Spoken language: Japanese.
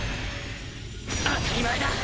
当たり前だ。